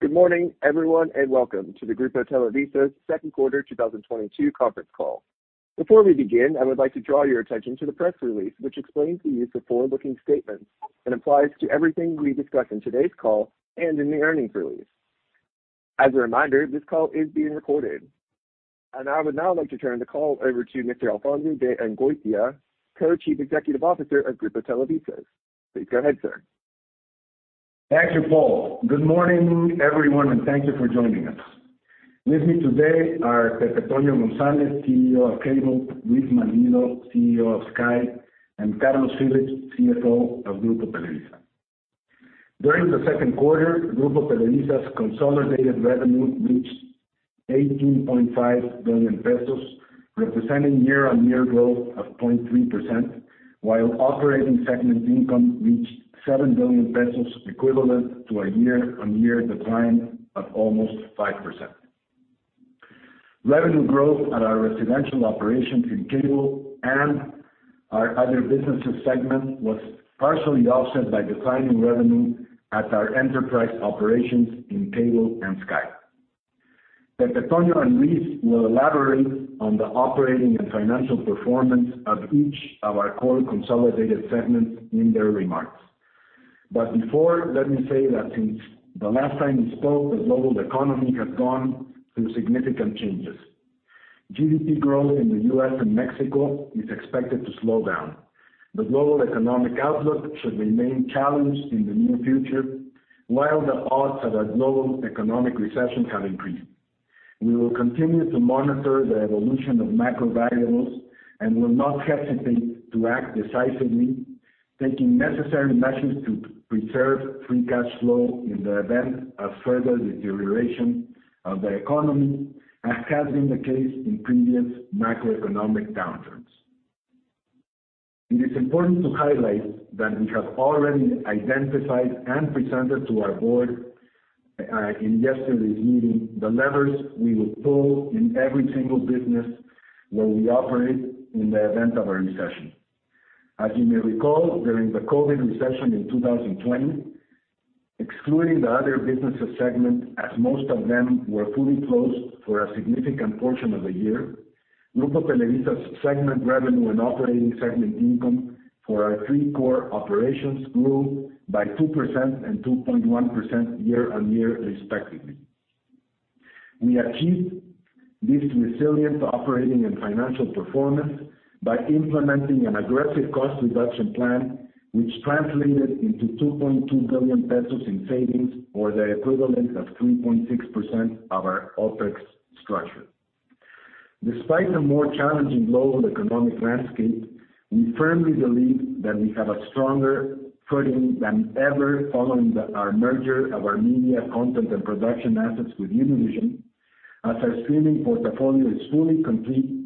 Good morning, everyone, and welcome to the Grupo Televisa's Second Quarter 2022 Conference Call. Before we begin, I would like to draw your attention to the press release, which explains the use of forward-looking statements and applies to everything we discuss in today's call and in the earnings release. As a reminder, this call is being recorded. I would now like to turn the call over to Mr. Alfonso de Angoitia, Co-Chief Executive Officer of Grupo Televisa. Please go ahead, sir. Thank you, Paul. Good morning, everyone, and thank you for joining us. With me today are Pepe Toño González, CEO of Cable, Reese Mannino, CEO of Sky, and Carlos Phillips, CFO of Grupo Televisa. During the second quarter, Grupo Televisa's consolidated revenue reached 18.5 billion pesos, representing year-on-year growth of 0.3%, while operating segment income reached 7 billion pesos, equivalent to a year-on-year decline of almost 5%. Revenue growth at our residential operations in Cable and our other businesses segment was partially offset by declining revenue at our enterprise operations in Cable and Sky. Pepe Toño and Reese will elaborate on the operating and financial performance of each of our core consolidated segments in their remarks. Before, let me say that since the last time we spoke, the global economy has gone through significant changes. GDP growth in the U.S. and Mexico is expected to slow down. The global economic outlook should remain challenged in the near future, while the odds of a global economic recession have increased. We will continue to monitor the evolution of macro variables and will not hesitate to act decisively, taking necessary measures to preserve free cash flow in the event of further deterioration of the economy, as has been the case in previous macroeconomic downturns. It is important to highlight that we have already identified and presented to our board, in yesterday's meeting, the levers we will pull in every single business where we operate in the event of a recession. As you may recall, during the COVID recession in 2020, excluding the other businesses segment, as most of them were fully closed for a significant portion of the year, Grupo Televisa's segment revenue and operating segment income for our three core operations grew by 2% and 2.1% year-on-year, respectively. We achieved this resilient operating and financial performance by implementing an aggressive cost reduction plan, which translated into 2.2 billion pesos in savings or the equivalent of 3.6% of our OpEx structure. Despite the more challenging global economic landscape, we firmly believe that we have a stronger footing than ever following our merger of our media content and production assets with Univision, as our streaming portfolio is fully complete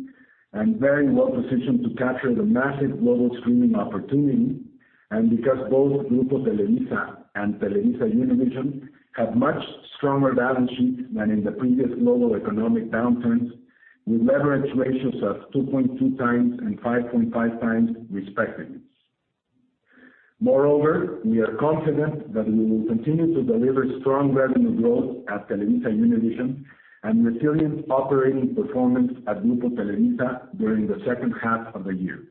and very well-positioned to capture the massive global streaming opportunity. Because both Grupo Televisa and TelevisaUnivision have much stronger balance sheets than in the previous global economic downturns, with leverage ratios of 2.2 times and 5.5 times, respectively. Moreover, we are confident that we will continue to deliver strong revenue growth at TelevisaUnivision and resilient operating performance at Grupo Televisa during the second half of the year.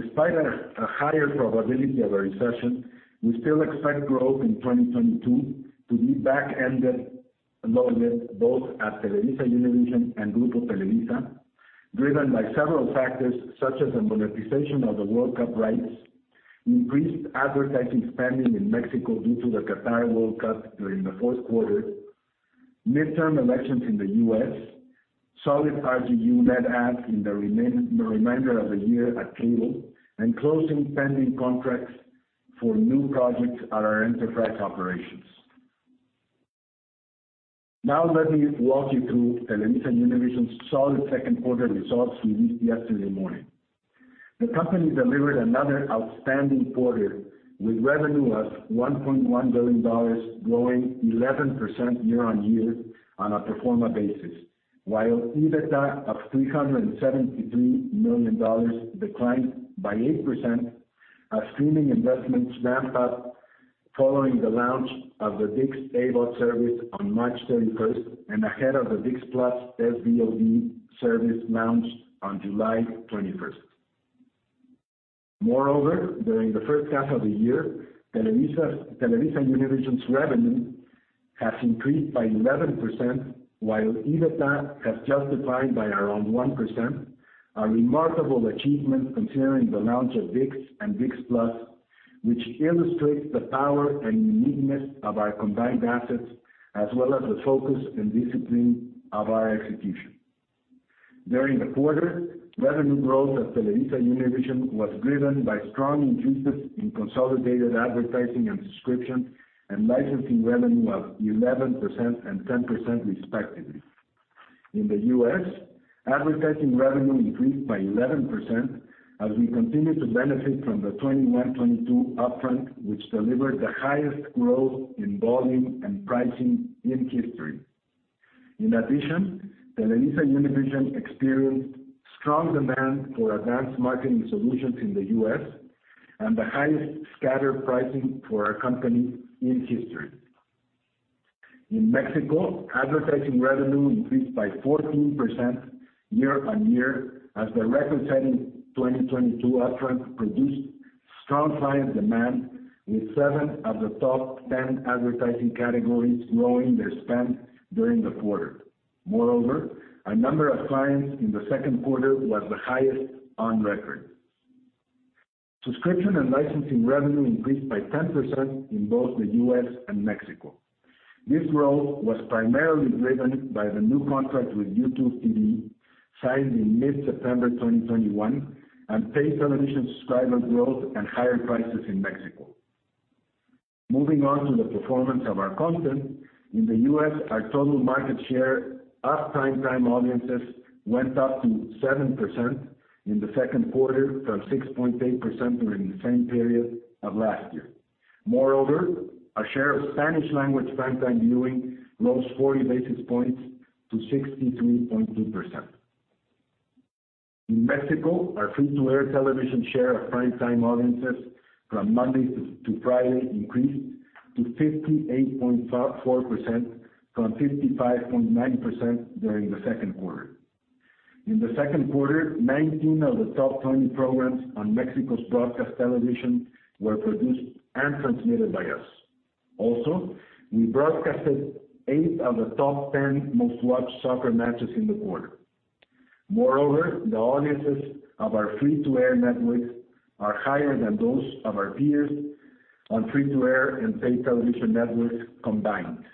Despite a higher probability of a recession, we still expect growth in 2022 to be back-loaded both at TelevisaUnivision and Grupo Televisa, driven by several factors such as the monetization of the World Cup rights, increased advertising spending in Mexico due to the Qatar World Cup during the fourth quarter, midterm elections in the U.S., solid RGU net adds in the remainder of the year at Cable, and closing pending contracts for new projects at our enterprise operations. Now let me walk you through TelevisaUnivision's solid second quarter results released yesterday morning. The company delivered another outstanding quarter with revenue of $1.1 billion, growing 11% year-on-year on a pro forma basis, while EBITDA of $373 million declined by 8% as streaming investments ramped up following the launch of the ViX AVOD service on March 31 and ahead of the ViX+ SVOD service launch on July 21. Moreover, during the first half of the year, TelevisaUnivision's revenue has increased by 11%, while EBITDA has increased by around 1%, a remarkable achievement considering the launch of ViX and ViX+, which illustrates the power and uniqueness of our combined assets as well as the focus and discipline of our execution. During the quarter, revenue growth at TelevisaUnivision was driven by strong increases in consolidated advertising and subscription and licensing revenue of 11% and 10%, respectively. In the U.S., advertising revenue increased by 11% as we continue to benefit from the 2021-2022 upfront, which delivered the highest growth in volume and pricing in history. In addition, TelevisaUnivision experienced strong demand for advanced marketing solutions in the U.S. and the highest scatter pricing for our company in history. In Mexico, advertising revenue increased by 14% year-on-year as the record-setting 2022 upfront produced strong client demand, with seven of the top 10 advertising categories growing their spend during the quarter. Moreover, our number of clients in the second quarter was the highest on record. Subscription and licensing revenue increased by 10% in both the U.S. and Mexico. This growth was primarily driven by the new contract with YouTube TV, signed in mid-September 2021, and pay television subscriber growth and higher prices in Mexico. Moving on to the performance of our content. In the U.S., our total market share of primetime audiences went up to 7% in the second quarter from 6.8% during the same period of last year. Moreover, our share of Spanish-language primetime viewing rose 40 basis points to 63.2%. In Mexico, our free-to-air television share of primetime audiences from Monday to Friday increased to 58.54% from 55.9% during the second quarter. In the second quarter, 19 of the top 20 programs on Mexico's broadcast television were produced and transmitted by us. Also, we broadcasted eight of the top 10 most-watched soccer matches in the quarter. Moreover, the audiences of our free-to-air networks are higher than those of our peers on free-to-air and pay television networks combined.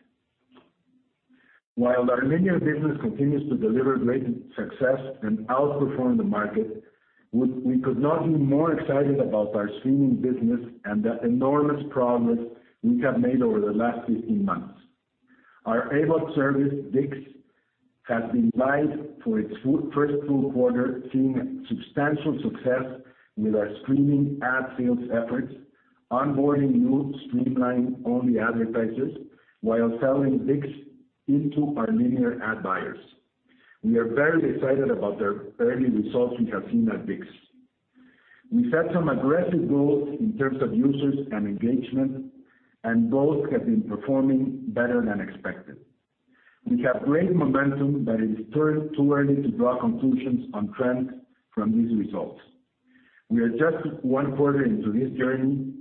While our linear business continues to deliver great success and outperform the market, we could not be more excited about our streaming business and the enormous progress we have made over the last 15 months. Our AVOD service, ViX, has been live for its first full quarter, seeing substantial success with our streaming ad sales efforts, onboarding new streaming-only advertisers while selling ViX into our linear ad buyers. We are very excited about the early results we have seen at ViX. We set some aggressive goals in terms of users and engagement, and both have been performing better than expected. We have great momentum, but it is too early to draw conclusions on trends from these results. We are just one quarter into this journey,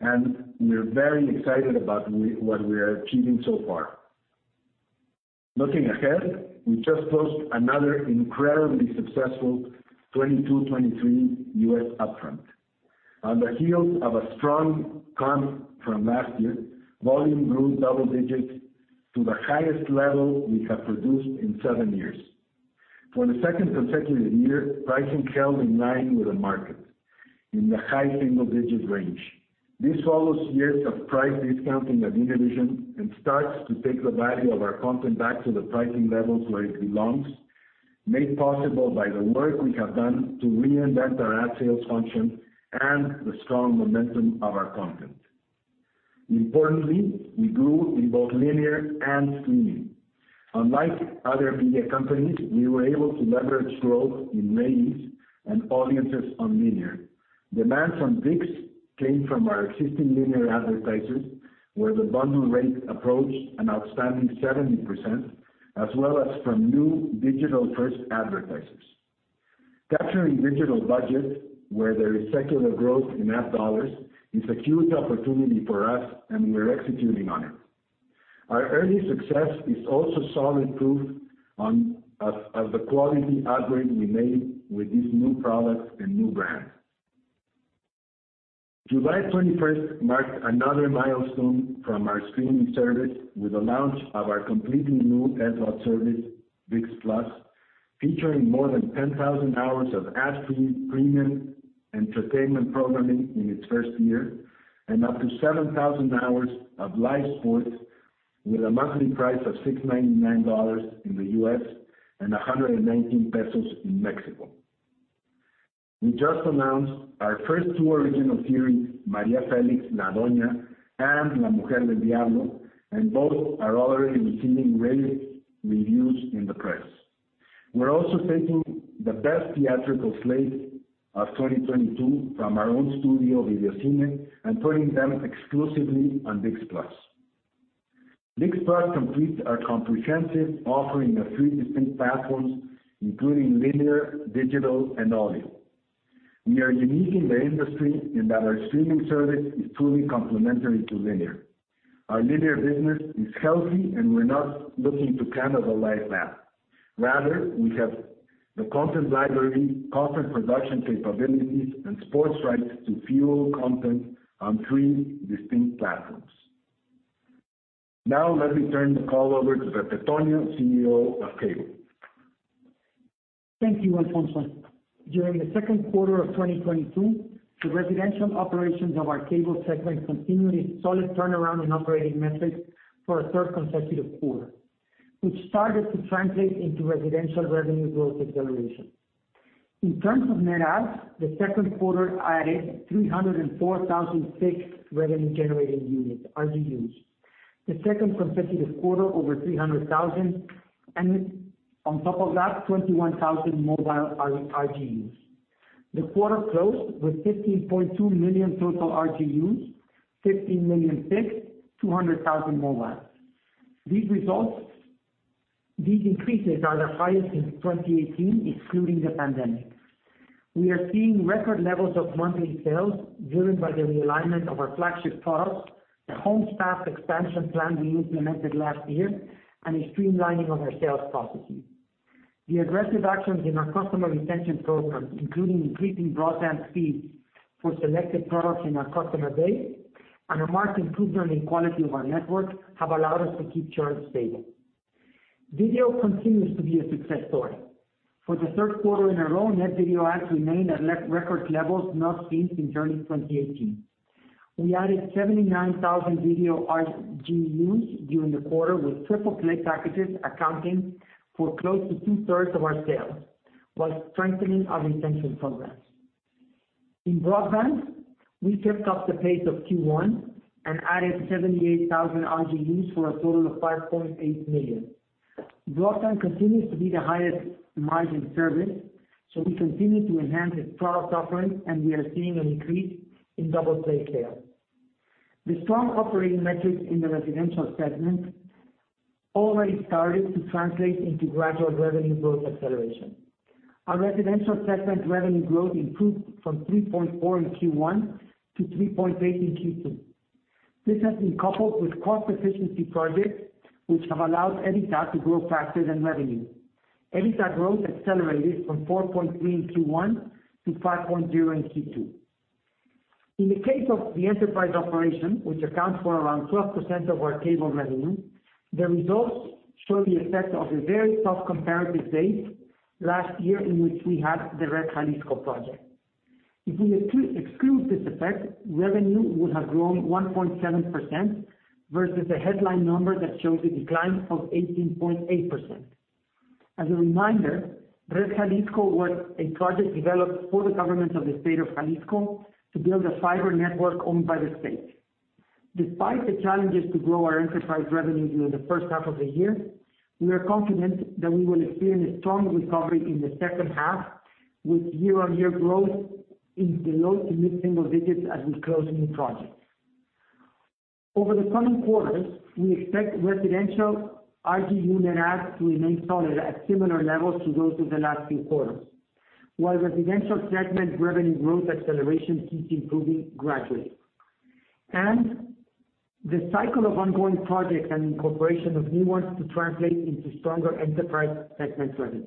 and we're very excited about what we are achieving so far. Looking ahead, we just closed another incredibly successful 2022/2023 U.S. upfront. On the heels of a strong comp from last year, volume grew double digits to the highest level we have produced in seven years. For the second consecutive year, pricing held in line with the market, in the high single-digit range. This follows years of price discounting at Univision and starts to take the value of our content back to the pricing levels where it belongs, made possible by the work we have done to reinvent our ad sales function and the strong momentum of our content. Importantly, we grew in both linear and streaming. Unlike other media companies, we were able to leverage growth in ratings and audiences on linear. Demand from ViX came from our existing linear advertisers, where the bundle rate approached an outstanding 70%, as well as from new digital-first advertisers. Capturing digital budget where there is secular growth in ad dollars is a huge opportunity for us, and we're executing on it. Our early success is also solid proof of the quality upgrade we made with this new product and new brand. July 21st marked another milestone from our streaming service with the launch of our completely new SVOD service, ViX+, featuring more than 10,000 hours of ad-free premium entertainment programming in its first year and up to 7,000 hours of live sports with a monthly price of $6.99 in the U.S. and 119 pesos in Mexico. We just announced our first two original series, María Félix: La Doña and La Mujer del Diablo, and both are already receiving rave reviews in the press. We're also taking the best theatrical slate of 2022 from our own studio, Videocine, and putting them exclusively on ViX+. ViX+ completes our comprehensive offering of three distinct platforms, including linear, digital, and audio. We are unique in the industry in that our streaming service is truly complementary to linear. Our linear business is healthy, and we're not looking to cannibalize that. Rather, we have the content library, content production capabilities, and sports rights to fuel content on three distinct platforms. Now let me turn the call over to José Antonio González Anaya, CEO of Cable. Thank you, Alfonso. During the second quarter of 2022, the residential operations of our cable segment continued a solid turnaround in operating metrics for a third consecutive quarter, which started to translate into residential revenue growth acceleration. In terms of net adds, the second quarter added 304,000 fixed revenue generating units, RGUs. The second consecutive quarter over 300,000, and on top of that, 21,000 mobile RGUs. The quarter closed with 15.2 million total RGUs, 15 million fixed, 200,000 mobile. These increases are the highest since 2018, excluding the pandemic. We are seeing record levels of monthly sales driven by the realignment of our flagship products, the homes passed expansion plan we implemented last year, and a streamlining of our sales processes. The aggressive actions in our customer retention program, including increasing broadband speeds for selected products in our customer base and a marked improvement in quality of our network, have allowed us to keep churn stable. Video continues to be a success story. For the third quarter in a row, net video adds remained at record levels not seen since early 2018. We added 79,000 video RGUs during the quarter, with triple play packages accounting for close to two-thirds of our sales while strengthening our retention programs. In broadband, we kept up the pace of Q1 and added 78,000 RGUs for a total of 5.8 million. Broadband continues to be the highest margin service, so we continue to enhance its product offering, and we are seeing an increase in double play sales. The strong operating metrics in the residential segment already started to translate into gradual revenue growth acceleration. Our residential segment revenue growth improved from 3.4% in Q1 to 3.8% in Q2. This has been coupled with cost efficiency projects which have allowed EBITDA to grow faster than revenue. EBITDA growth accelerated from 4.3% in Q1 to 5.0% in Q2. In the case of the enterprise operation, which accounts for around 12% of our cable revenue, the results show the effect of a very tough comparative base last year in which we had the Red Jalisco project. If we exclude this effect, revenue would have grown 1.7% versus the headline number that shows a decline of 18.8%. As a reminder, Red Jalisco was a project developed for the government of the state of Jalisco to build a fiber network owned by the state. Despite the challenges to grow our enterprise revenue during the first half of the year, we are confident that we will experience strong recovery in the second half with year-on-year growth in the low to mid-single digits as we close new projects. Over the coming quarters, we expect residential RGU net adds to remain solid at similar levels to those of the last few quarters, while residential segment revenue growth acceleration keeps improving gradually. The cycle of ongoing projects and incorporation of new ones to translate into stronger enterprise segment revenue.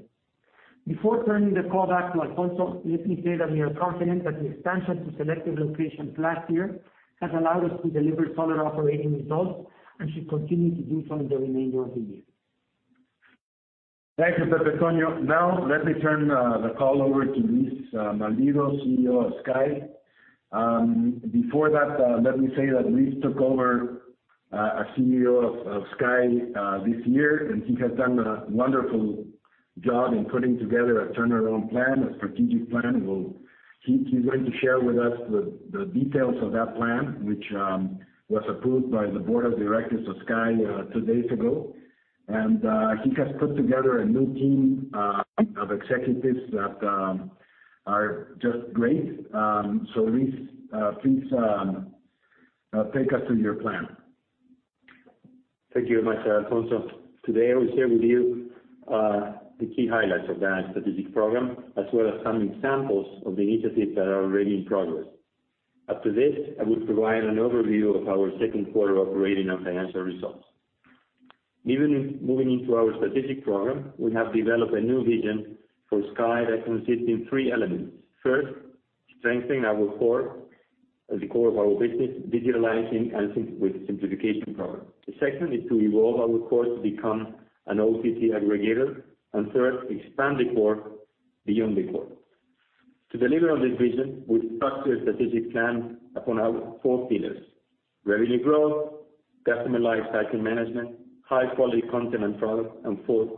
Before turning the call back to Alfonso, let me say that we are confident that the expansion to selected locations last year has allowed us to deliver solid operating results, and should continue to do so in the remainder of the year. Thank you, Pepe Toño. Now, let me turn the call over to Luis Malvido, CEO of Sky. Before that, let me say that Luis took over as CEO of Sky this year, and he has done a wonderful job in putting together a turnaround plan, a strategic plan. He’s going to share with us the details of that plan, which was approved by the board of directors of Sky two days ago. He has put together a new team of executives that are just great. Luis, please take us through your plan. Thank you very much, Alfonso. Today, I will share with you the key highlights of the strategic program, as well as some examples of the initiatives that are already in progress. After this, I will provide an overview of our second quarter operating and financial results. Moving into our strategic program, we have developed a new vision for Sky that consists in three elements. First, strengthening our core, the core of our business, digitalizing and with simplification products. The second is to evolve our core to become an OTT aggregator. And third, expand the core beyond the core. To deliver on this vision, we've structured the strategic plan upon our four pillars, revenue growth, customer life cycle management, high-quality content and product, and fourth,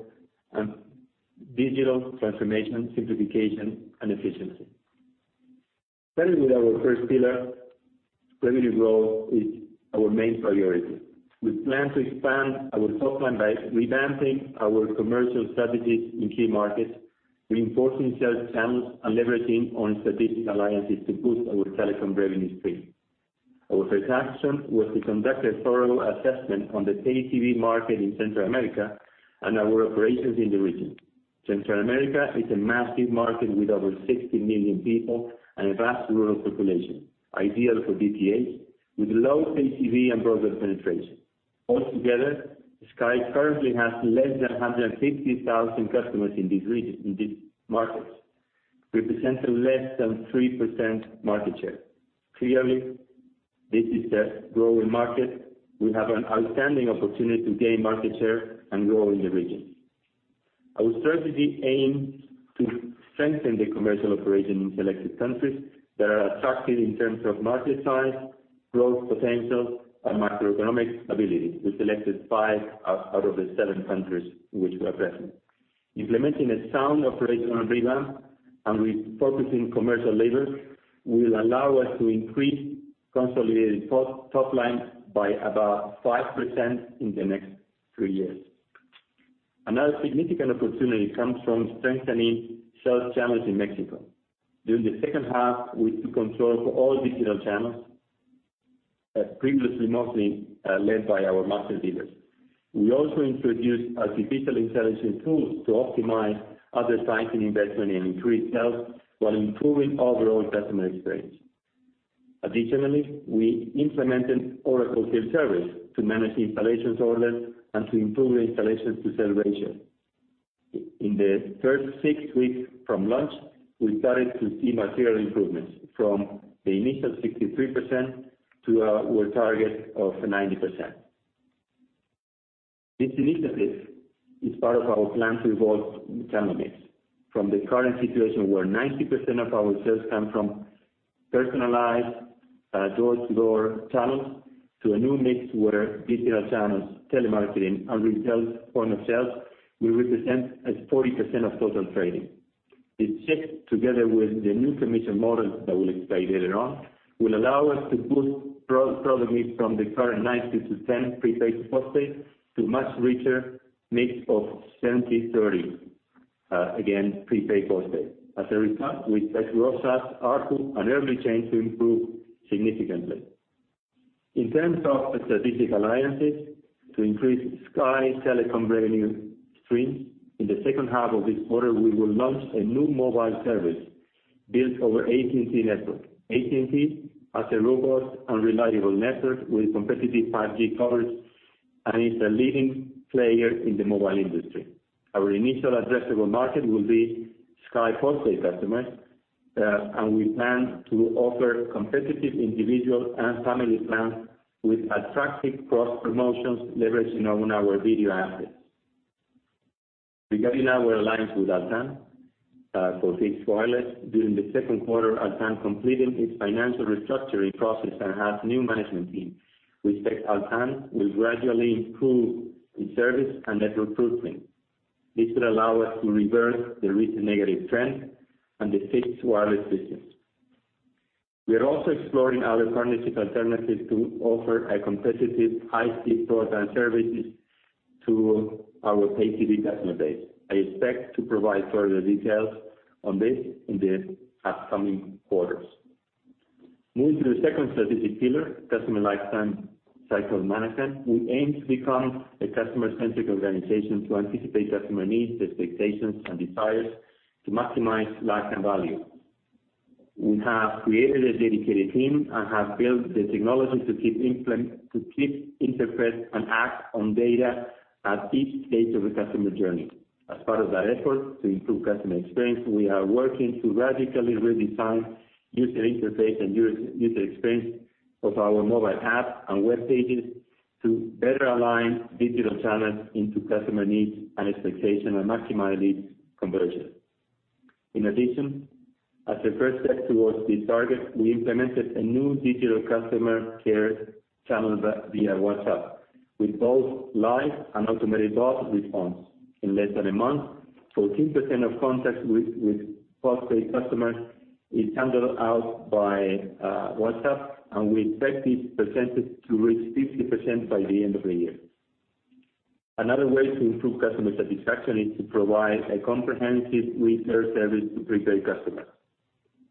digital transformation, simplification, and efficiency. Starting with our first pillar, revenue growth is our main priority. We plan to expand our top line by revamping our commercial strategies in key markets, reinforcing sales channels, and leveraging on strategic alliances to boost our telecom revenue stream. Our first action was to conduct a thorough assessment on the pay TV market in Central America and our operations in the region. Central America is a massive market with over 60 million people and a vast rural population, ideal for DTH, with low pay TV and broadband penetration. Altogether, Sky currently has less than 150,000 customers in these markets, representing less than 3% market share. Clearly, this is a growing market. We have an outstanding opportunity to gain market share and grow in the region. Our strategy aims to strengthen the commercial operations in selected countries that are attractive in terms of market size, growth potential, and macroeconomic stability. We selected five out of the seven countries in which we are present. Implementing a sound operational revamp and refocusing commercial labors will allow us to increase consolidated top line by about 5% in the next three years. Another significant opportunity comes from strengthening sales channels in Mexico. During the second half, we took control of all digital channels, previously mostly led by our master dealers. We also introduced artificial intelligence tools to optimize other sites and investment in increased sales while improving overall customer experience. Additionally, we implemented Oracle field service to manage installation orders and to improve the installation-to-sale ratio. In the first six weeks from launch, we started to see material improvements from the initial 63% to our target of 90%. This initiative is part of our plan to evolve the channel mix from the current situation where 90% of our sales come from personalized, door-to-door channels to a new mix where digital channels, telemarketing, and retail point of sales will represent 40% of total trading. This shift together with the new commission model that we'll explain later on, will allow us to boost product mix from the current 90-10 prepaid to postpaid, to a much richer mix of 70/30, again, prepaid/postpaid. As a result, we expect ROAS, ARPU, and early change to improve significantly. In terms of strategic alliances to increase Sky telecom revenue streams, in the second half of this quarter, we will launch a new mobile service built over AT&T network. AT&T has a robust and reliable network with competitive 5G coverage and is the leading player in the mobile industry. Our initial addressable market will be Sky postpaid customers, and we plan to offer competitive individual and family plans with attractive cross promotions leveraging on our video assets. Regarding our alliance with Altán, for fixed wireless, during the second quarter, Altán completed its financial restructuring process and has new management team. We expect Altán will gradually improve its service and network footprint. This will allow us to reverse the recent negative trend on the fixed wireless business. We are also exploring other partnership alternatives to offer a competitive high-speed broadband services to our pay TV customer base. I expect to provide further details on this in the upcoming quarters. Moving to the second strategic pillar, customer lifetime cycle management, we aim to become a customer-centric organization to anticipate customer needs, expectations, and desires to maximize lifetime value. We have created a dedicated team and have built the technology to keep, interpret, and act on data at each stage of the customer journey. As part of that effort to improve customer experience, we are working to radically redesign user interface and user experience of our mobile app and web pages to better align digital channels into customer needs and expectations, and maximize leads conversion. In addition, as a first step towards this target, we implemented a new digital customer care channel via WhatsApp with both live and automated bot response. In less than a month, 14% of contacts with postpaid customers is handled by WhatsApp, and we expect this percentage to reach 50% by the end of the year. Another way to improve customer satisfaction is to provide a comprehensive repair service to prepaid customers.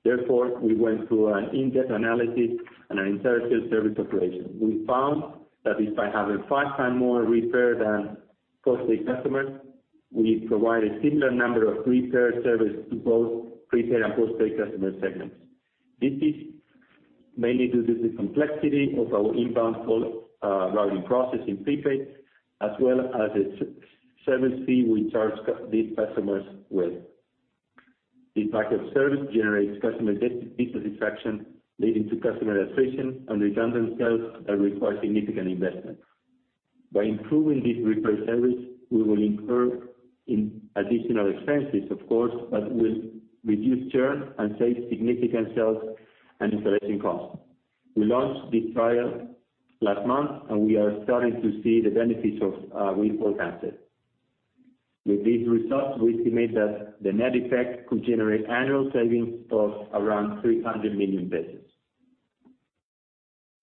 Therefore, we went through an in-depth analysis on our entire field service operation. We found that despite having five times more repair than postpaid customers, we provide a similar number of repair service to both prepaid and postpaid customer segments. This is mainly due to the complexity of our inbound call, routing process in prepaid, as well as a service fee we charge these customers with. The lack of service generates customer dissatisfaction, leading to customer attrition and redundant sales that require significant investment. By improving this repair service, we will incur in additional expenses, of course, but will reduce churn and save significant sales and installation costs. We launched this trial last month, and we are starting to see the benefits of, we forecasted. With these results, we estimate that the net effect could generate annual savings of around 300 million pesos.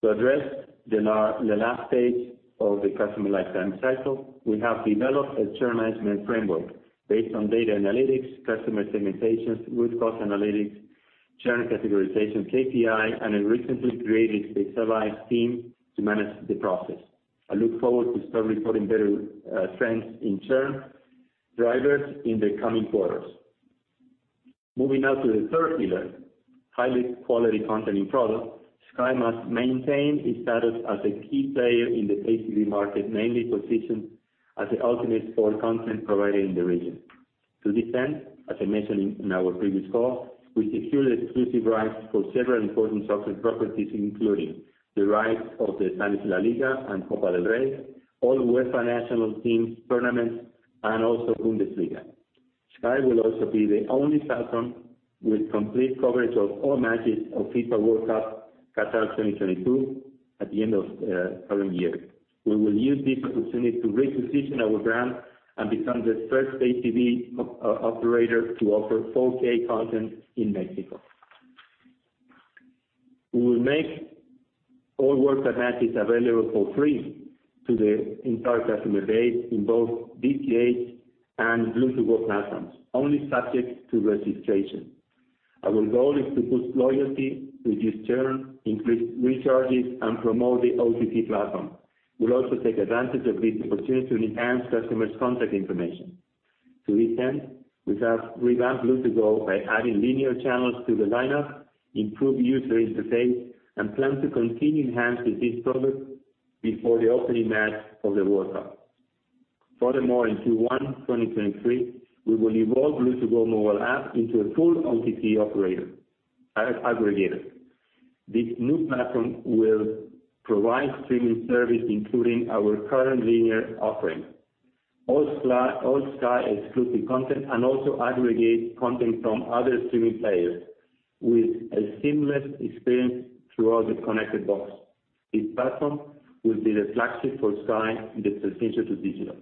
To address the last stage of the customer lifetime cycle, we have developed a churn management framework based on data analytics, customer segmentations with cost analytics, churn categorization KPI, and a recently created specialized team to manage the process. I look forward to start reporting better trends in churn drivers in the coming quarters. Moving now to the third pillar, high-quality content and product. Sky must maintain its status as a key player in the pay TV market, mainly positioned as the ultimate sport content provider in the region. To this end, as I mentioned in our previous call, we secured exclusive rights for several important soccer properties, including the rights of the Spanish LaLiga and Copa del Rey, all UEFA national teams tournaments, and also Bundesliga. Sky will also be the only platform with complete coverage of all matches of FIFA World Cup Qatar 2022 at the end of current year. We will use this opportunity to reposition our brand and become the first pay TV operator to offer 4K content in Mexico. We will make all World Cup matches available for free to the entire customer base in both DTH and Blue To Go platforms, only subject to registration. Our goal is to boost loyalty, reduce churn, increase recharges, and promote the OTT platform. We'll also take advantage of this opportunity to enhance customers' contact information. To this end, we have revamped Blue To Go by adding linear channels to the lineup, improve user interface, and plan to continue enhancing this product before the opening match of the World Cup. Furthermore, in Q1 2023, we will evolve Blue To Go mobile app into a full OTT aggregator. This new platform will provide streaming service, including our current linear offering. All Sky, all Sky exclusive content and also aggregate content from other streaming players with a seamless experience through our connected box. This platform will be the flagship for Sky in the transition to digital.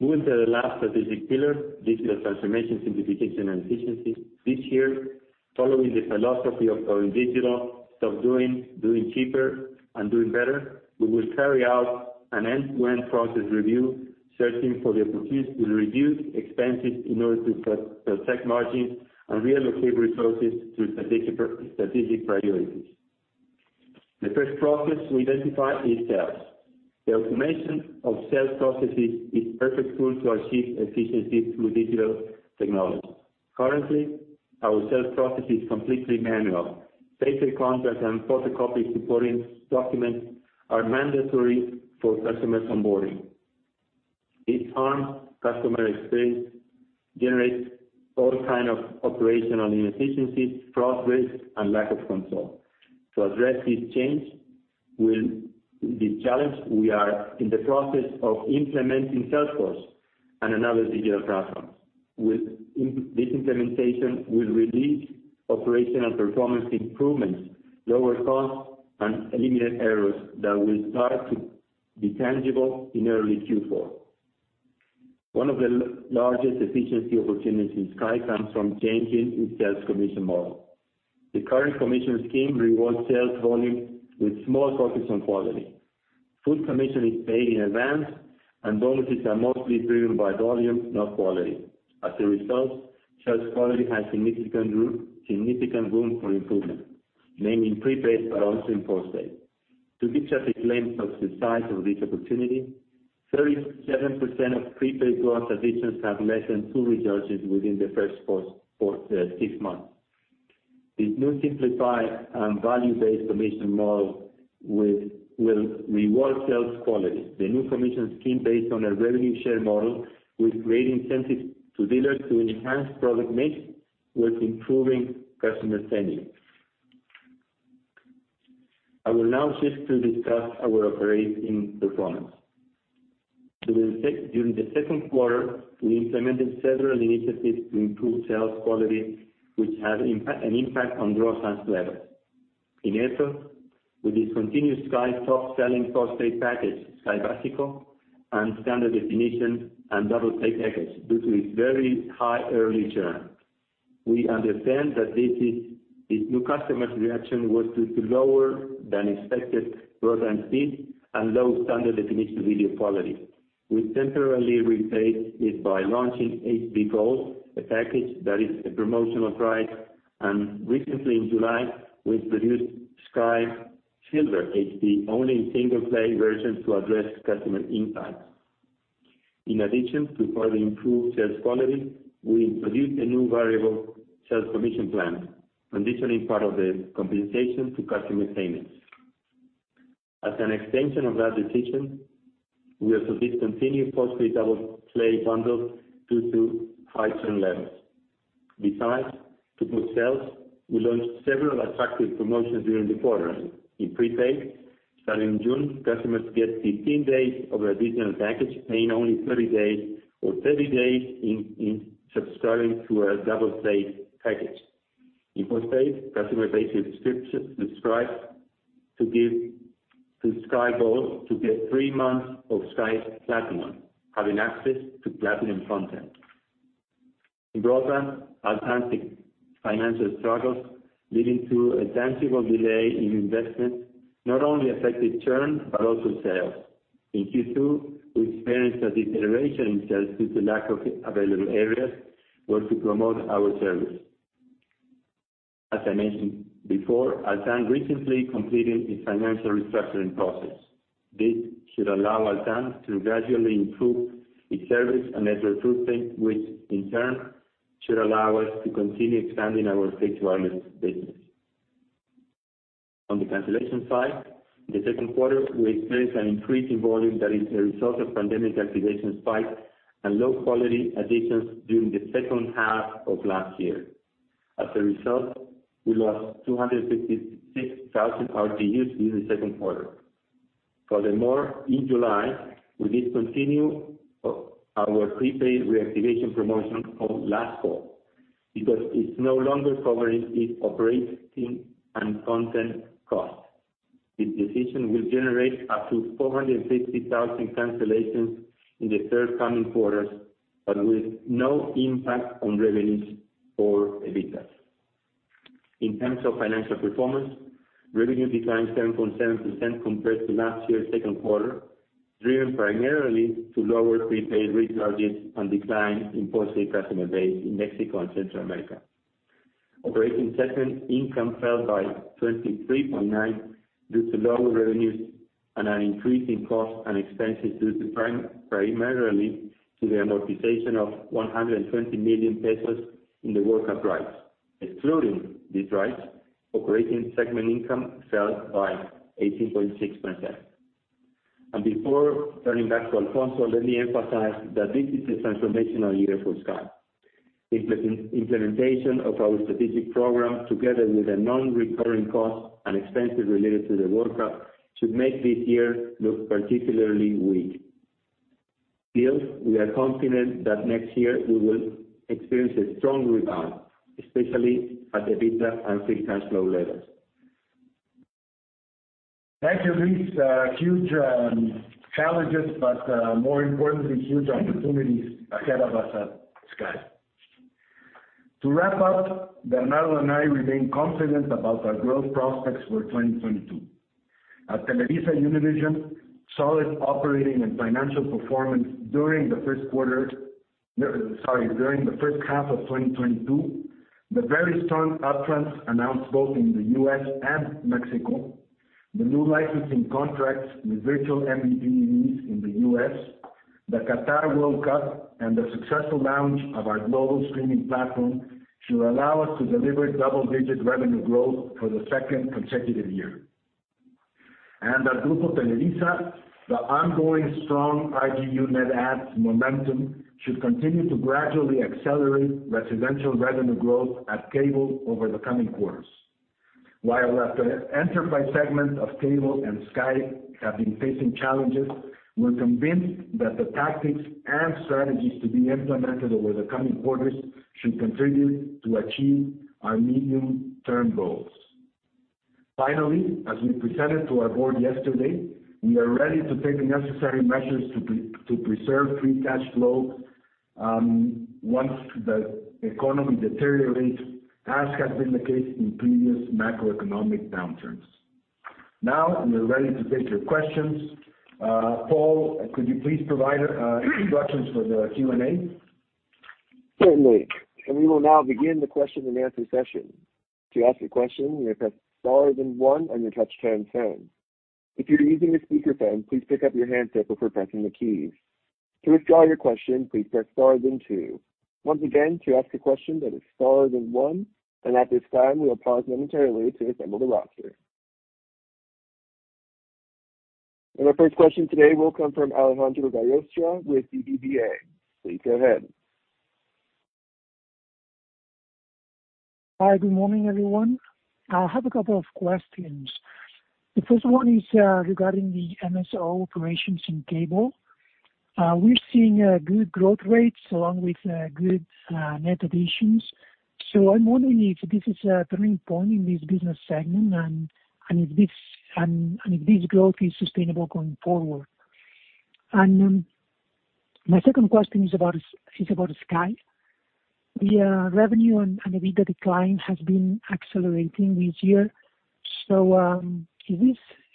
Moving to the last strategic pillar, Digital Transformation, Simplification and Efficiency. This year, following the philosophy of going digital, stop doing cheaper and doing better, we will carry out an end-to-end process review, searching for the opportunity to reduce expenses in order to protect margins and reallocate resources to strategic priorities. The first process we identify is sales. The automation of sales processes is perfect tool to achieve efficiency through digital technology. Currently, our sales process is completely manual. Paper contracts and photocopies supporting documents are mandatory for customers onboarding. It harms customer experience, generates all kinds of operational inefficiencies, fraud risk and lack of control. To address this challenge, we are in the process of implementing Salesforce and another digital platform. With this implementation, we'll release operational performance improvements, lower costs, and eliminate errors that will start to be tangible in early Q4. One of the largest efficiency opportunities in Sky comes from changing its sales commission model. The current commission scheme rewards sales volume with small focus on quality. Full commission is paid in advance, and bonuses are mostly driven by volume, not quality. As a result, sales quality has significant room for improvement, mainly in prepaid but also in postpaid. To give you a sense of the size of this opportunity, 37% of prepaid gross additions have less than two recharges within the first four to six months. This new simplified and value-based commission model will reward sales quality. The new commission scheme based on a revenue share model with great incentives to dealers to enhance product mix worth improving customer tenure. I will now shift to discuss our operating performance. During the second quarter, we implemented several initiatives to improve sales quality, which had an impact on growth and churn. In April, we discontinued Sky's top-selling postpaid package, Sky Básico, and standard definition and double play package due to its very high early churn. We understand that this new customer's reaction was due to lower than expected growth and speed and low standard definition video quality. We temporarily replaced it by launching Sky HD Gold, a package at a promotional price, and recently in July, we introduced Sky Silver HD, only in single play version to address customer impact. In addition to further improve sales quality, we introduced a new variable sales commission plan, conditioning part of the compensation to customer payments. As an extension of that decision, we also discontinued postpaid double play bundle due to high churn levels. Besides, to boost sales, we launched several attractive promotions during the quarter. In prepaid, starting June, customers get 15 days of additional package, paying only 30 days or 30 days in subscribing to a double play package. In postpaid, customers base subscription with Sky to give to Sky Gold to get 3 months of Sky Platinum, having access to platinum content. In broadband, Altán's financial struggles, leading to a tangible delay in investment, not only affected churn, but also sales. In Q2, we experienced a deterioration in sales due to lack of available areas where to promote our service. As I mentioned before, Altán recently completed its financial restructuring process. This should allow Altán to gradually improve its service and network footprint, which in turn should allow us to continue expanding our pay TV business. On the cancellation side, in the second quarter, we experienced an increase in volume that is a result of pandemic activation spike and low quality additions during the second half of last year. As a result, we lost 256,000 RGUs during the second quarter. Furthermore, in July, we did continue our prepaid reactivation promotion from last fall because it's no longer covering its operating and content costs. This decision will generate up to 450,000 cancellations in the three coming quarters, but with no impact on revenues or EBITDA. In terms of financial performance, revenue declined 7.7% compared to last year's second quarter, driven primarily by lower prepaid recharges and decline in postpaid customer base in Mexico and Central America. Operating segment income fell by 23.9% due to lower revenues and an increase in costs and expenses primarily due to the amortization of 120 million pesos in the World Cup rights. Excluding these rights, operating segment income fell by 18.6%. Before turning back to Alfonso, let me emphasize that this is a transformational year for Sky. Implementation of our strategic program, together with the non-recurring costs and expenses related to the World Cup, should make this year look particularly weak. Still, we are confident that next year we will experience a strong rebound, especially at the EBITDA and free cash flow levels. Thank you, Luis. Huge challenges, but more importantly, huge opportunities ahead of us at Sky. To wrap up, Bernardo and I remain confident about our growth prospects for 2022. At TelevisaUnivision, solid operating and financial performance during the first half of 2022, the very strong uptrends announced both in the U.S. and Mexico, the new licensing contracts with virtual MVPDs in the U.S., the Qatar World Cup, and the successful launch of our global streaming platform should allow us to deliver double-digit revenue growth for the second consecutive year. At Grupo Televisa, the ongoing strong RGU net adds momentum should continue to gradually accelerate residential revenue growth at Cable over the coming quarters. While our enterprise segment of Cable and Sky have been facing challenges, we're convinced that the tactics and strategies to be implemented over the coming quarters should contribute to achieve our medium-term goals. Finally, as we presented to our board yesterday, we are ready to take the necessary measures to preserve free cash flow, once the economy deteriorates, as has been the case in previous macroeconomic downturns. Now, we are ready to take your questions. Paul, could you please provide instructions for the Q&A? Certainly. We will now begin the question-and-answer session. To ask a question, you may press star then one, and then touch tone send. If you're using a speakerphone, please pick up your handset before pressing the keys. To withdraw your question, please press star then two. Once again, to ask a question, that is star then one. At this time, we'll pause momentarily to assemble the roster. Our first question today will come from Alejandro Gallostra with BBVA. Please go ahead. Hi, good morning, everyone. I have a couple of questions. The first one is regarding the MSO operations in Cable. We're seeing good growth rates along with good net additions. So I'm wondering if this is a turning point in this business segment and if this growth is sustainable going forward. My second question is about Sky. The revenue and EBITDA decline has been accelerating this year. So, is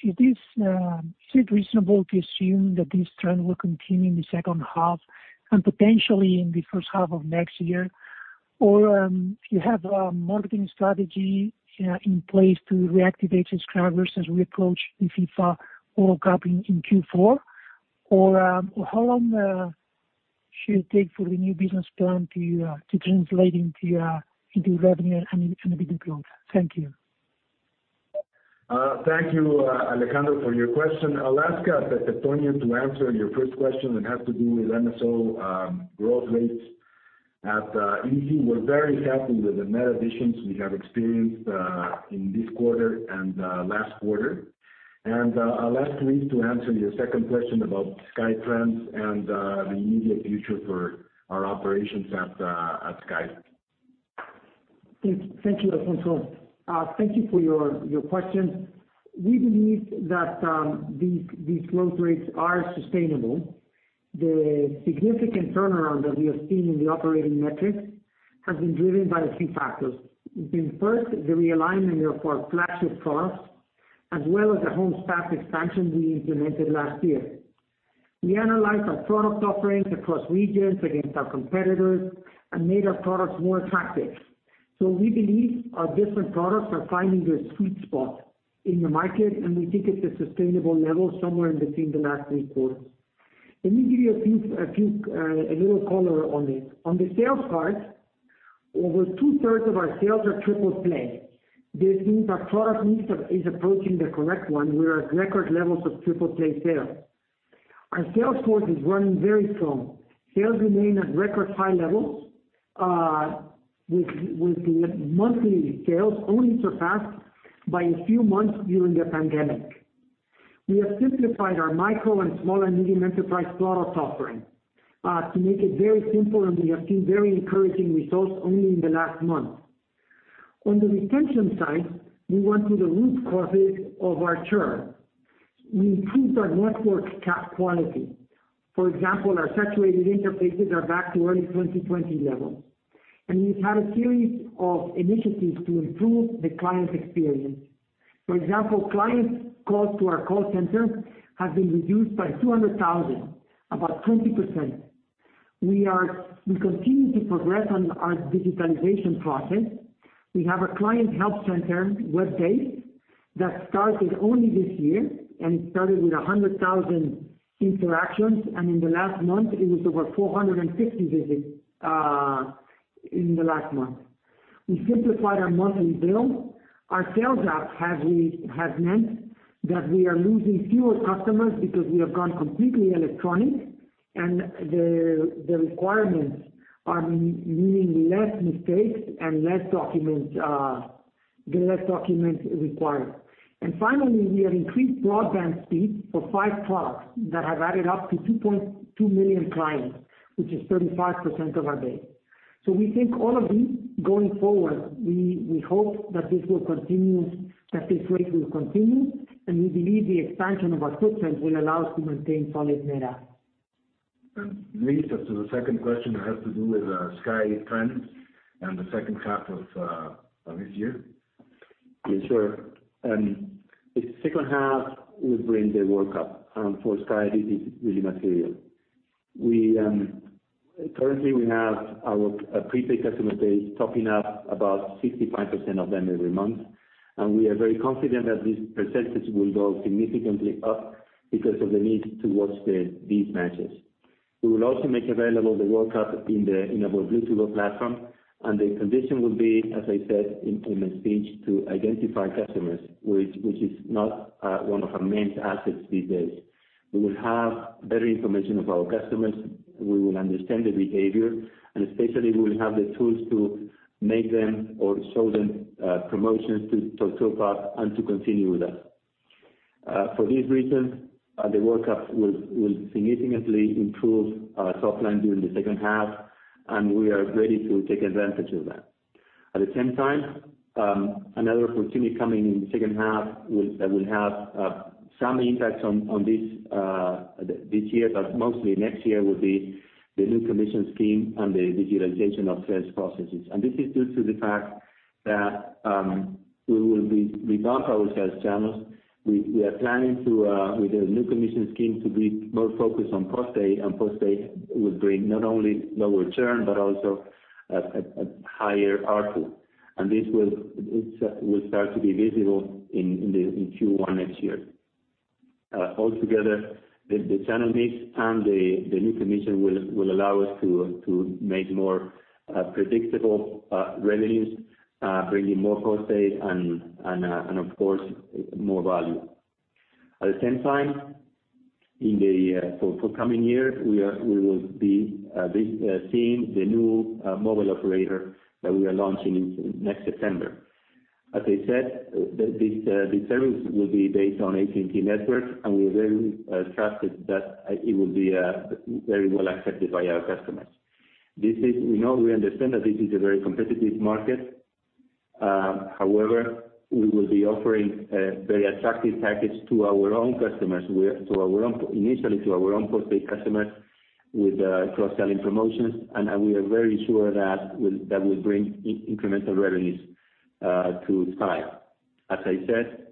it reasonable to assume that this trend will continue in the second half and potentially in the first half of next year? If you have a marketing strategy in place to reactivate subscribers as we approach the FIFA World Cup in Q4, or how long should it take for the new business plan to translate into revenue and EBITDA growth? Thank you. Thank you, Alejandro, for your question. I'll ask José Antonio González Anaya to answer your first question that has to do with MSO growth rates. At EG, we're very happy with the net additions we have experienced in this quarter and last quarter. I'll ask Luis Malvido to answer your second question about Sky trends and the immediate future for our operations at Sky. Thank you, Alfonso. Thank you for your questions. We believe that these growth rates are sustainable. The significant turnaround that we have seen in the operating metrics has been driven by a few factors. The first, the realignment of our flagship products, as well as the homes passed expansion we implemented last year. We analyzed our product offerings across regions against our competitors and made our products more attractive. We believe our different products are finding their sweet spot in the market, and we think it's a sustainable level somewhere in between the last three quarters. Let me give you a few a little color on it. On the sales part, over two-thirds of our sales are triple play. This means our product mix is approaching the correct one. We are at record levels of triple play sales. Our sales force is running very strong. Sales remain at record high levels, with the monthly sales only surpassed by a few months during the pandemic. We have simplified our micro and small and medium enterprise product offering to make it very simple, and we have seen very encouraging results only in the last month. On the retention side, we went to the root causes of our churn. We improved our network capacity quality. For example, our saturated interfaces are back to early 2020 level. We've had a series of initiatives to improve the client experience. For example, client calls to our call center have been reduced by 200,000, about 20%. We continue to progress on our digitalization process. We have a client help center, web-based, that started only this year, and it started with 100,000 interactions, and in the last month, it was over 450 visits in the last month. We simplified our monthly bill. Our sales app has meant that we are losing fewer customers because we have gone completely electronic and the requirements are meaning less mistakes and less documents, the less documents required. Finally, we have increased broadband speed for five products that have added up to 2.2 million clients, which is 35% of our base. We think all of these going forward, we hope that this will continue, that this rate will continue, and we believe the expansion of our footprint will allow us to maintain solid ARPU. Luis, as to the second question that has to do with Sky trends and the second half of this year. Yes, sure. The second half will bring the World Cup, and for Sky, this is really material. We currently have our prepaid customer base topping up about 65% of them every month, and we are very confident that this percentage will go significantly up because of the need to watch these matches. We will also make available the World Cup in our Blue To Go platform, and the condition will be, as I said, in the speech, to identify customers, which is not one of our main assets these days. We will have better information of our customers, we will understand the behavior, and especially, we will have the tools to make them or show them promotions to top up and to continue with that. For these reasons, the World Cup will significantly improve top line during the second half, and we are ready to take advantage of that. At the same time, another opportunity coming in the second half will have some impact on this year, but mostly next year will be the new commission scheme and the digitalization of sales processes. This is due to the fact that we will revamp our sales channels. We are planning, with the new commission scheme, to be more focused on postpaid, and postpaid will bring not only lower churn, but also a higher ARPU. This will start to be visible in Q1 next year. Altogether, the channel mix and the new commission will allow us to make more predictable revenues, bringing more postpaid and of course, more value. At the same time, for the coming years, we will be seeing the new mobile operator that we are launching next September. As I said, this service will be based on AT&T network, and we trust that it will be very well accepted by our customers. We know, we understand that this is a very competitive market. However, we will be offering a very attractive package to our own customers with, initially to our own postpaid customers with cross-selling promotions, and we are very sure that will bring incremental revenues to Sky. As I said,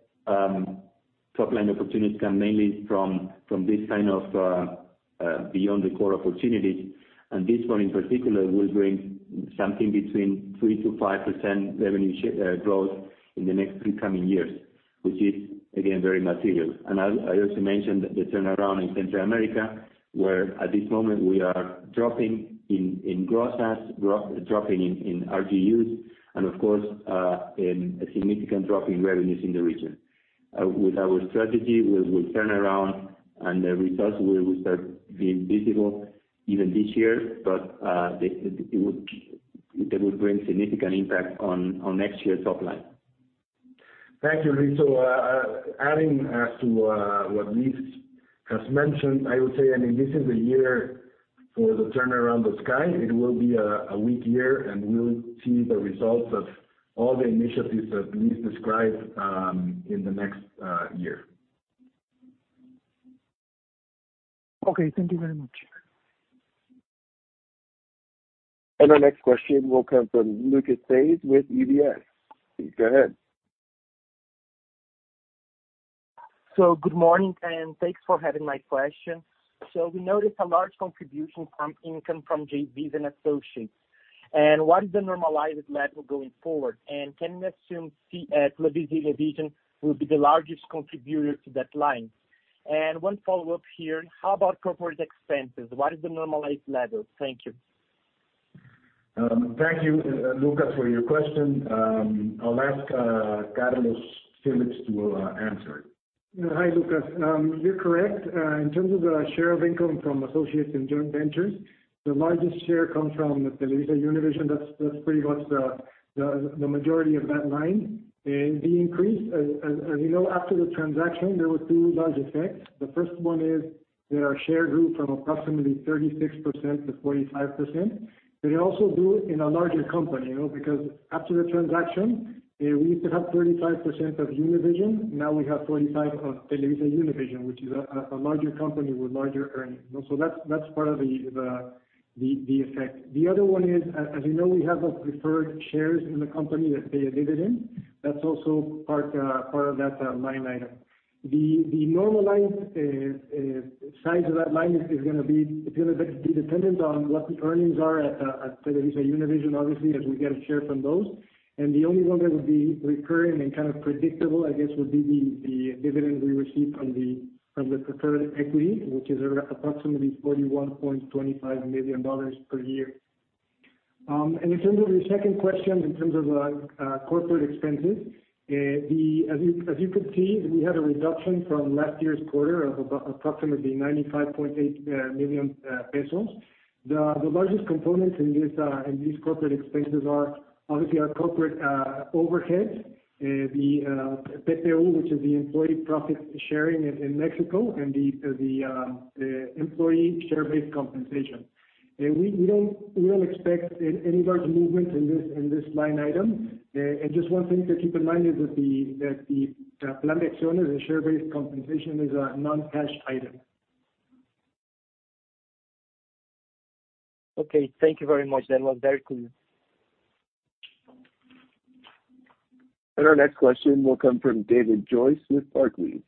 top-line opportunities come mainly from this kind of beyond the core opportunities, and this one in particular will bring something between 3%-5% revenue growth in the next three coming years, which is again very material. I also mentioned the turnaround in Central America, where at this moment we are dropping in gross assets, dropping in RGUs and of course in a significant drop in revenues in the region. With our strategy, we'll turn around and the results will start being visible even this year, but it will bring significant impact on next year's top line. Thank you, Luis. Adding to what Luis has mentioned, I would say, I mean, this is the year for the turnaround of Sky. It will be a weak year, and we'll see the results of all the initiatives that Luis described in the next year. Okay, thank you very much. Our next question will come from Lucas Reis with UBS. Please go ahead. Good morning, and thanks for having my question. We noticed a large contribution from income from JVs and associates. What is the normalized level going forward? Can we assume Claro Brasil division will be the largest contributor to that line? One follow-up here, how about corporate expenses? What is the normalized level? Thank you. Thank you, Lucas, for your question. I'll ask Carlos Phillips to answer it. Hi, Lucas. You're correct. In terms of the share of income from associates in joint ventures, the largest share comes from TelevisaUnivision. That's pretty much the majority of that line. The increase, as you know, after the transaction, there were two large effects. The first one is that our share grew from approximately 36% to 45%. It also grew in a larger company, you know, because after the transaction, we used to have 35% of Univision, now we have 45 of TelevisaUnivision, which is a larger company with larger earnings. That's part of that line item. The other one is, as you know, we have those preferred shares in the company that pay a dividend. That's also part of that line item. The normalized size of that line is gonna be dependent on what the earnings are at TelevisaUnivision, obviously, as we get a share from those. The only one that would be recurring and kind of predictable, I guess, would be the dividend we receive from the preferred equity, which is approximately $41.25 million per year. In terms of your second question, in terms of corporate expenses, as you could see, we had a reduction from last year's quarter of about approximately 95.8 million pesos. The largest components in these corporate expenses are obviously our corporate overhead, the PTU, which is the employee profit-sharing in Mexico, and the employee share-based compensation. We don't expect any large movements in this line item. Just one thing to keep in mind is that the plan de acciones, the share-based compensation is a non-cash item. Okay. Thank you very much. That was very clear. Our next question will come from David Joyce with Barclays.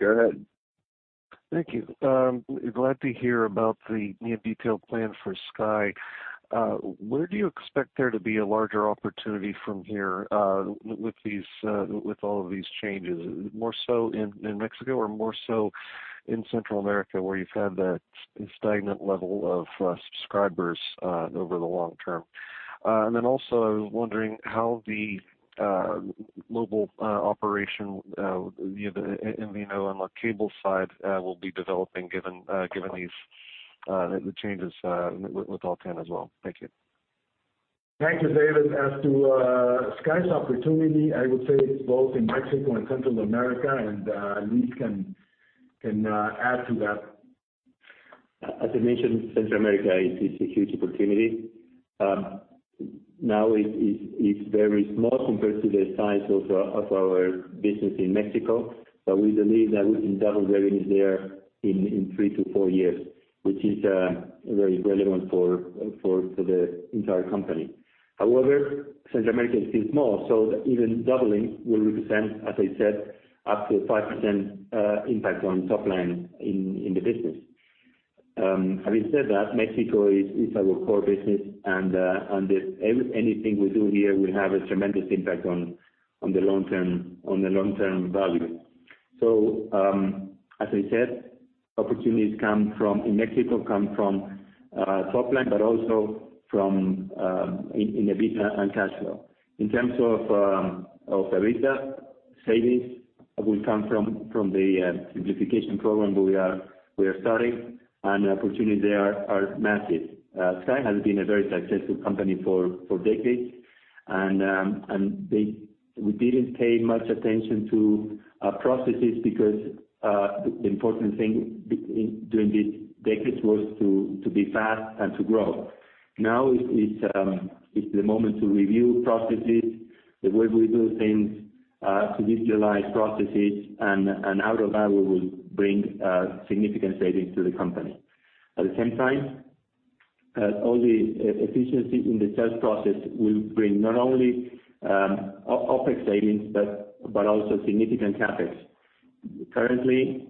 Go ahead. Thank you. Glad to hear about the new detailed plan for Sky. Where do you expect there to be a larger opportunity from here, with all of these changes? More so in Mexico or more so in Central America, where you've had that stagnant level of subscribers over the long term? I was wondering how the mobile operation, the MVNO on the cable side, will be developing given these changes with Altán as well. Thank you. Thank you, David. As to Sky's opportunity, I would say it's both in Mexico and Central America, and Luis can add to that. As I mentioned, Central America is a huge opportunity. Now it's very small compared to the size of our business in Mexico. We believe that we can double their earnings there in three to four years, which is very relevant for the entire company. However, Central America is still small, so even doubling will represent, as I said, up to 5% impact on top line in the business. Having said that, Mexico is our core business and if anything we do here will have a tremendous impact on the long term, on the long-term value. As I said, opportunities in Mexico come from top line, but also from EBITDA and cash flow. In terms of EBITDA, savings will come from the simplification program we are starting, and the opportunities there are massive. Sky has been a very successful company for decades and we didn't pay much attention to processes because the important thing during these decades was to be fast and to grow. Now is the moment to review processes, the way we do things, to visualize processes and out of that we will bring significant savings to the company. At the same time, all the efficiency in the sales process will bring not only OpEx savings, but also significant CapEx. Currently,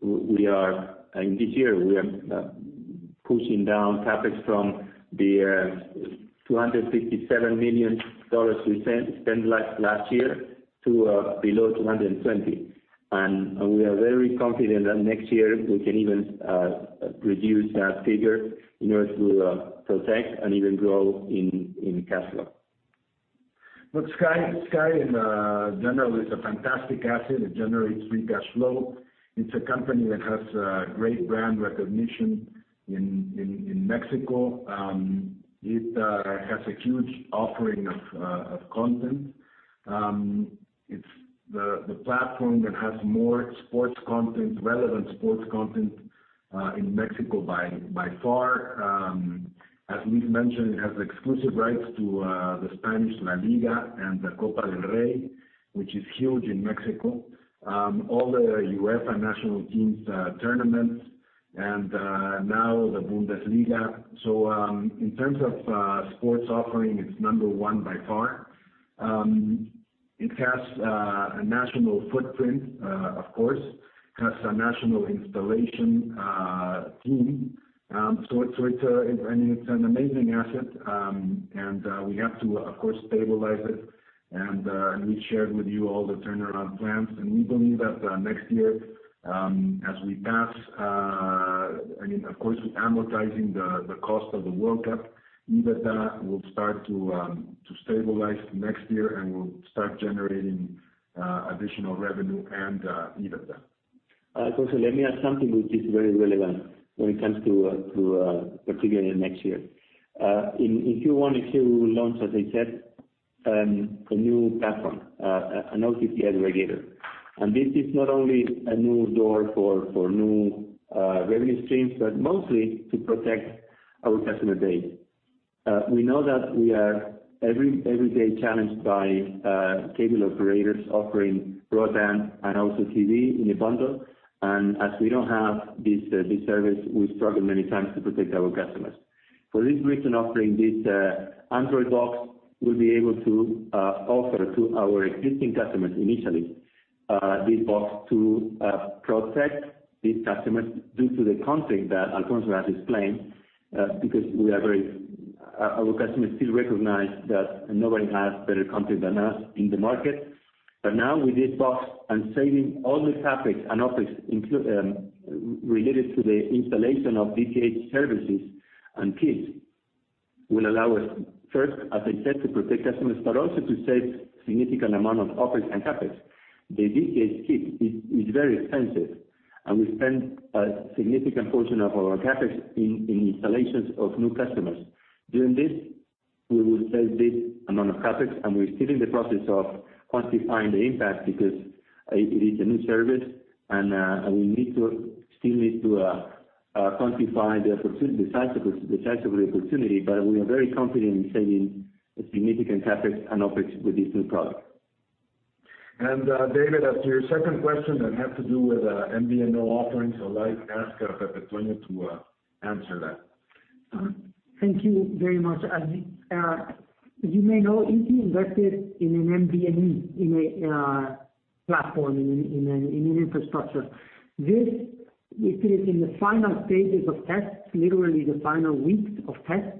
we are, and this year, we are pushing down CapEx from the $257 million we spent last year to below $220 million. We are very confident that next year we can even reduce that figure in order to protect and even grow in cash flow. Sky in general is a fantastic asset. It generates free cash flow. It's a company that has great brand recognition in Mexico. It has a huge offering of content. It's the platform that has more sports content, relevant sports content, in Mexico by far. As Luis mentioned, it has exclusive rights to the Spanish LaLiga and the Copa del Rey, which is huge in Mexico. All the UEFA national teams tournaments and now the Bundesliga. In terms of sports offering, it's number one by far. It has a national footprint, of course, has a national installation team. I mean, it's an amazing asset. We have to, of course, stabilize it. We shared with you all the turnaround plans, and we believe that next year, as we pass, I mean, of course, we're amortizing the cost of the World Cup. EBITDA will start to stabilize next year, and we'll start generating additional revenue and EBITDA. Let me add something which is very relevant when it comes to to particularly next year. If you want, Izzi, we will launch, as I said, a new platform, an OTT aggregator. This is not only a new door for new revenue streams, but mostly to protect our customer base. We know that we are every day challenged by cable operators offering broadband and also TV in a bundle. As we don't have this service, we struggle many times to protect our customers. For this reason, offering this Android box, we'll be able to offer to our existing customers initially this box to protect these customers due to the content that Alfonso has explained, because we are very. Our customers still recognize that nobody has better content than us in the market. Now with this box and saving all the CapEx and OpEx related to the installation of DTH services and kits, will allow us, first, as I said, to protect customers, but also to save a significant amount on OpEx and CapEx. The DTH kit is very expensive, and we spend a significant portion of our CapEx in installations of new customers. During this, we will save this amount of CapEx, and we're still in the process of quantifying the impact because it is a new service and we still need to quantify the size of the opportunity. We are very confident in saving a significant CapEx and OpEx with this new product. David, as to your second question that had to do with MVNO offerings, I'll ask Pepe Toño to answer that. Thank you very much. As you may know, Izzi invested in an MVNE in a platform in an infrastructure. This is in the final stages of tests, literally the final weeks of tests.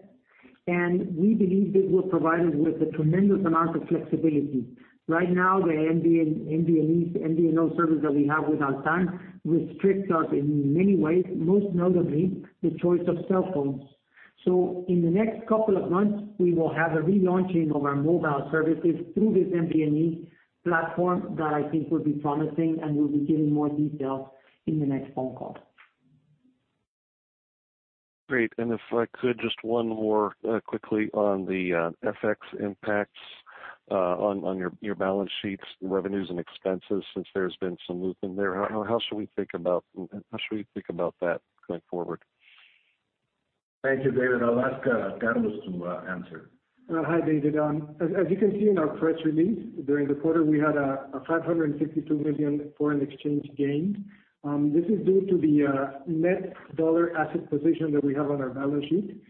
We believe this will provide us with a tremendous amount of flexibility. Right now, the MVNE, MVNO service that we have with Altán restricts us in many ways, most notably the choice of cell phones. In the next couple of months, we will have a relaunching of our mobile services through this MVNE platform that I think will be promising, and we'll be giving more details in the next phone call. Great. If I could just one more, quickly on the FX impacts on your balance sheets, revenues and expenses, since there's been some movement there. How should we think about that going forward? Thank you, David. I'll ask Carlos to answer. Hi, David. As you can see in our press release, during the quarter, we had a 562 million foreign exchange gain. This is due to the net dollar asset position that we have on our balance sheet.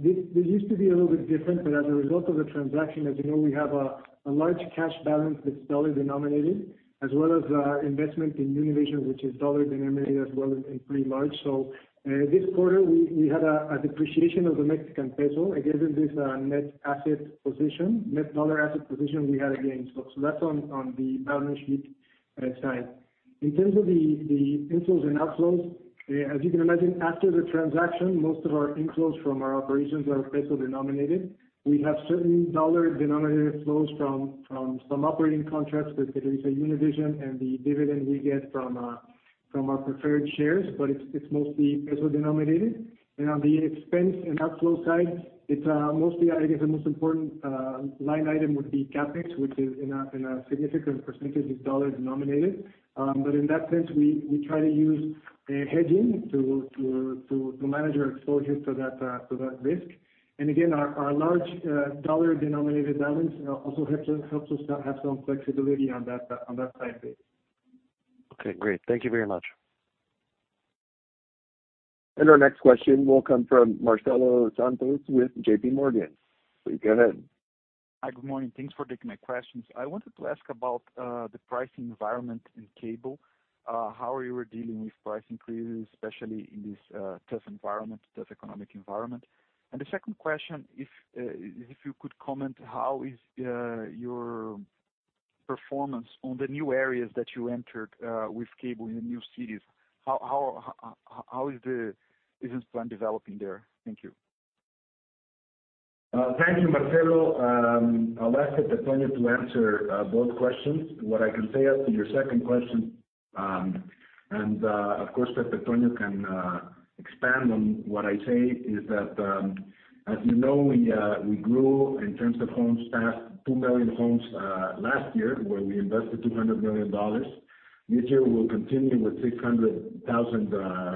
This used to be a little bit different, but as a result of the transaction, as you know, we have a large cash balance that's dollar-denominated, as well as investment in Univision, which is dollar-denominated as well and pretty large. This quarter, we had a depreciation of the Mexican peso. Again, this is a net asset position, net dollar asset position we had to gain. That's on the balance sheet side. In terms of the inflows and outflows, as you can imagine, after the transaction, most of our inflows from our operations are peso-denominated. We have certain dollar-denominated flows from some operating contracts with TelevisaUnivision and the dividend we get from our preferred shares, but it's mostly peso-denominated. On the expense and outflow side, it's mostly, I guess, the most important line item would be CapEx, which, in a significant percentage, is dollar-denominated. But in that sense, we try to use a hedging to manage our exposure to that risk. Again, our large dollar-denominated balance also helps us to have some flexibility on that side, basically. Okay, great. Thank you very much. Our next question will come from Marcelo Santos with JPMorgan. Please go ahead. Hi, good morning. Thanks for taking my questions. I wanted to ask about the pricing environment in Cable. How are you dealing with price increases, especially in this tough environment, tough economic environment? The second question, if you could comment, how is your performance on the new areas that you entered with Cable in the new cities? How is the business plan developing there? Thank you. Thank you, Marcelo. I'll ask Pepe Toño to answer both questions. What I can say as to your second question, and of course, Pepe Toño can expand on what I say is that, as you know, we grew in terms of homes passed 2 million homes last year where we invested $200 million. This year, we'll continue with 600,000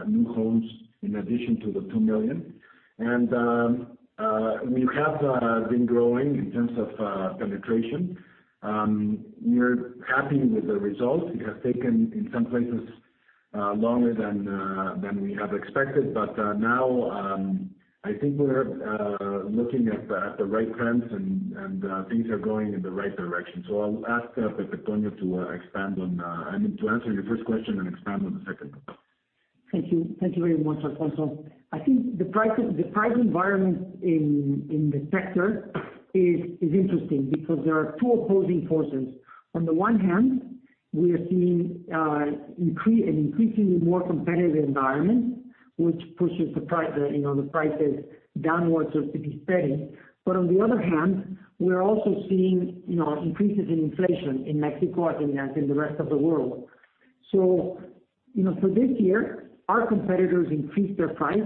new homes in addition to the 2 million. We have been growing in terms of penetration. We're happy with the results. It has taken, in some places, longer than we have expected. Now, I think we're looking at the right trends and things are going in the right direction. I'll ask Pepe Toño to expand on, I mean, to answer your first question and expand on the second one. Thank you. Thank you very much, Alfonso. I think the price environment in the sector is interesting because there are two opposing forces. On the one hand, we are seeing an increasingly more competitive environment which pushes the prices, you know, downwards or to be steady. On the other hand, we're also seeing, you know, increases in inflation in Mexico, as in the rest of the world. For this year, our competitors increased their price.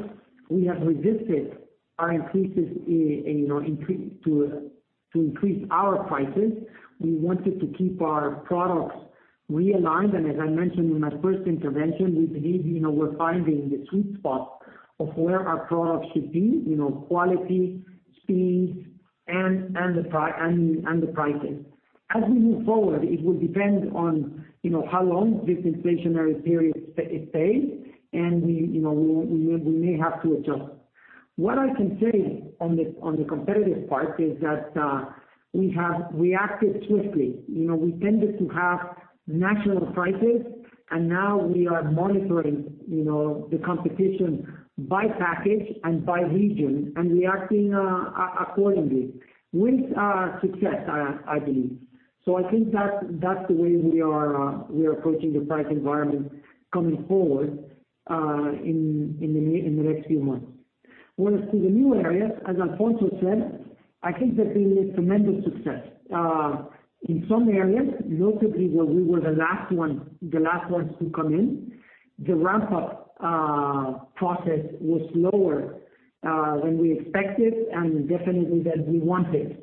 We have resisted our increases in, you know, to increase our prices. We wanted to keep our products realigned. As I mentioned in my first intervention, we believe, you know, we're finding the sweet spot of where our products should be, you know, quality, speeds and the pricing. As we move forward, it will depend on how long this inflationary period stays. We may have to adjust. What I can say on the competitive part is that we have reacted swiftly. We tended to have national prices, and now we are monitoring the competition by package and by region and reacting accordingly with success, I believe. I think that's the way we are approaching the price environment coming forward in the next few months. When it's in the new areas, as Alfonso said, I think that they need tremendous success. In some areas, notably where we were the last ones to come in, the ramp up process was slower than we expected and definitely than we wanted.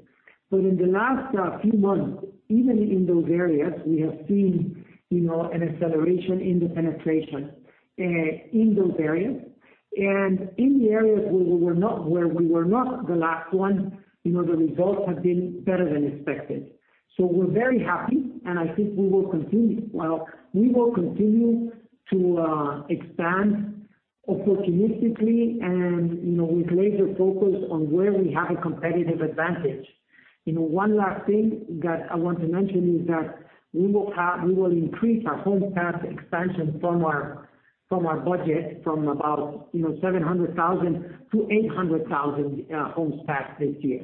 In the last few months, even in those areas, we have seen, you know, an acceleration in the penetration in those areas. In the areas where we were not the last one, you know, the results have been better than expected. We're very happy, and I think we will continue. We will continue to expand opportunistically and, you know, with laser focus on where we have a competitive advantage. You know, one last thing that I want to mention is that we will increase our homes passed expansion from about 700,000 to 800,000 homes passed this year.